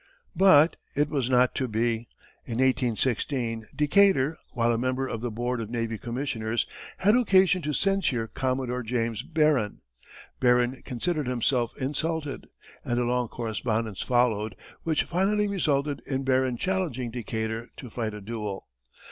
But it was not to be. In 1816, Decatur, while a member of the board of navy commissioners, had occasion to censure Commodore James Barron. Barron considered himself insulted, and a long correspondence followed, which finally resulted in Barron challenging Decatur to fight a duel.